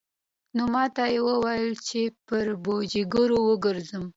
نو ماته يې وويل چې پر پوجيگرو وگرځم.